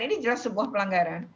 ini jelas sebuah pelanggaran